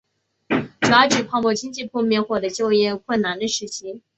主要指泡沫经济破灭后的就业困难的时期。